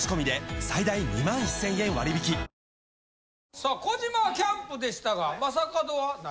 さあ小島はキャンプでしたが正門は何？